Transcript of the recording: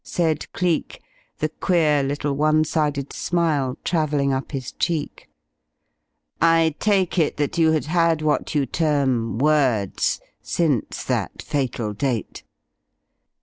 said Cleek, the queer little one sided smile travelling up his cheek. "I take it that you had had what you term 'words' since that fatal date?"